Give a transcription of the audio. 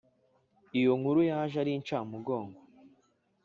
iyo nkuru yaje ari incamugongo